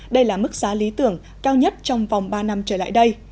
đây là mức giá lý tưởng cao nhất trong vòng ba năm trở lại đây